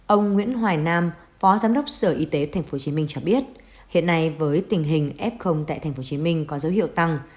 ông nguyễn hoài nam phó giám đốc sở y tế tp hcm cho biết hiện nay với tình hình f tại tp hcm có dấu hiệu tăng